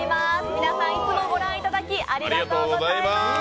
皆さん、いつもご覧いただきありがとうございます！